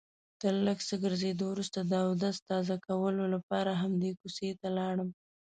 تر لږ څه ګرځېدو وروسته د اودس تازه کولو لپاره همدې کوڅې ته لاړم.